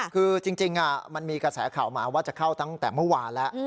คือจริงมันมีกระแสข่าวมาว่าจะเข้าตั้งแต่เมื่อวานแล้ว